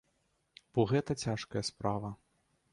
Бо гэта цяжкая справа.